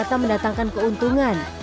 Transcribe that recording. mereka mendatangkan keuntungan